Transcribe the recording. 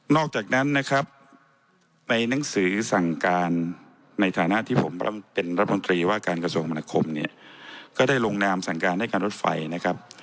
อกจากนั้นนะครับในหนังสือสั่งการในฐานะที่ผมเป็นรัฐมนตรีว่าการกระทรวงมนาคมเนี่ยก็ได้ลงนามสั่งการให้การรถไฟนะครับ